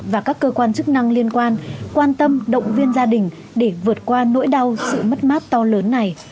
và các cơ quan chức năng liên quan quan tâm động viên gia đình để vượt qua nỗi đau sự mất mát to lớn này